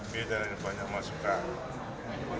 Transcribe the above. biar jangan banyak masukkan